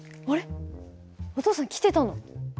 お父さん来てたの？